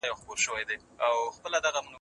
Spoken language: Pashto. د معلوماتو ترتیب د څېړني ارزښت زیاتوي.